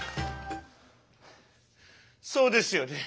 そうですよね。